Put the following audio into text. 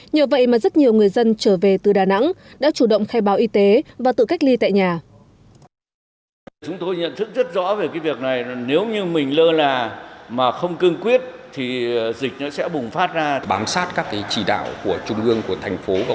nhờ vậy mà rất nhiều người dân trở về từ đà nẵng đã chủ động khai báo y tế và tự cách ly tại nhà